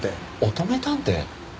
乙女探偵？